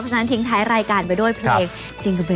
เพราะฉะนั้นทิ้งท้ายรายการไปด้วยเพลงจิงเกอร์เบล